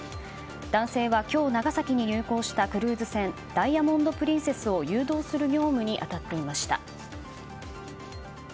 男性は今日、長崎に入港したクルーズ船「ダイヤモンド・プリンセス」を誘導する業務に当たっていました。